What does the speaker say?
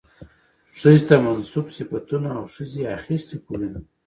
ښځې ته منسوب صفتونه او د ښځې اخىستي خوىونه